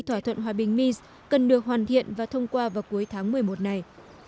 thỏa thuận hòa bình mis cần được hoàn thiện và thông qua vào cuối tháng một mươi một này